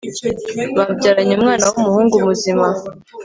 babyaranye umwana wumuhungu muzima